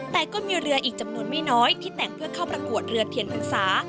แต่ก็มีเรืออีกจำนวนไม่น้อยที่แต่งเพื่อเข้าประกวดเรือเทียนพรรษา